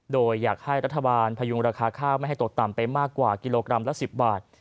โดยอยากให้รัฐบาลพยุงราคาข้าวไม่ให้ตกต่ำไปมากกว่ากิโลกรัมละ๑๐บาท